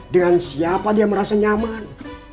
dengan siapa dia merasa nyaman